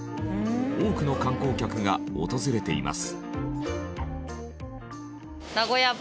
多くの観光客が訪れています。